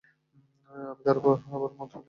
আমি তার উপর আমার মদ ফেলে দিব।